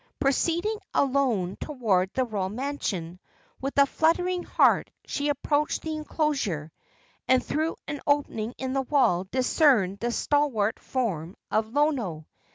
Proceeding alone toward the royal mansion, with a fluttering heart she approached the enclosure, and through an opening in the wall discerned the stalwart form of Lono.